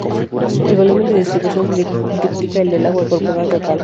El volumen de distribución duplica el del agua corporal total.